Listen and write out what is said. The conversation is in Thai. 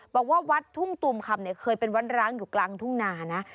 บอกว่าวัดทุ่งตูมคำเนี่ยเคยเป็นวัดร้างอยู่กลางทุ่งนานะ